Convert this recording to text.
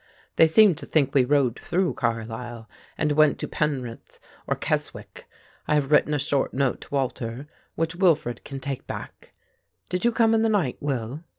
They seem to think we rode through Carlisle and went to Penrith or Keswick. I have written a short note to Walter, which Wilfred can take back. Did you come in the night, Will?"